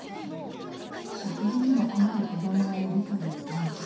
食事にも困る子どもがいるという現実。